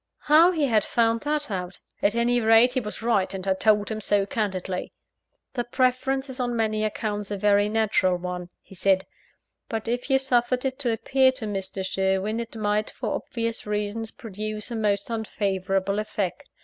How he had found that out? At any rate, he was right; and I told him so candidly. "The preference is on many accounts a very natural one," he said; "but if you suffered it to appear to Mr. Sherwin, it might, for obvious reasons, produce a most unfavourable effect.